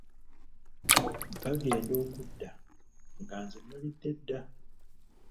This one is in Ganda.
Bagenda okudda nga nze nalidde dda.